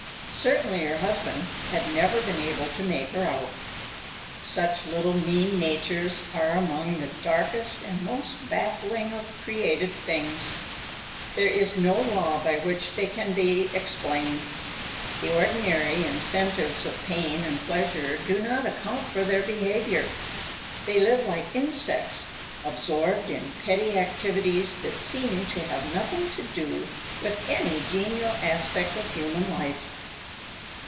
Certainly her husband had never been able to make her out. Such little, mean natures are among the darkest and most baffling of created things. There is no law by which they can be explained. The ordinary incentives of pain and pleasure do not account for their behavior. They live like insects, absorbed in petty activities that seem to have nothing to do with any genial aspect of human life.